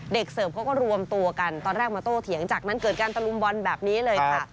เสิร์ฟเขาก็รวมตัวกันตอนแรกมาโต้เถียงจากนั้นเกิดการตะลุมบอลแบบนี้เลยค่ะ